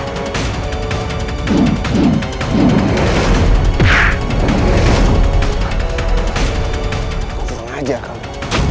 aku kurang ajar kamu